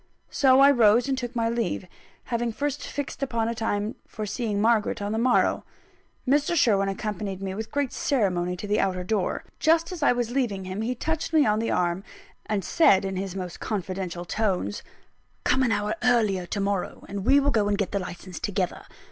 So I rose and took my leave, having first fixed a time for seeing Margaret on the morrow. Mr. Sherwin accompanied me with great ceremony to the outer door. Just as I was leaving him, he touched me on the arm, and said in his most confidential tones: "Come an hour earlier, to morrow; and we'll go and get the licence together.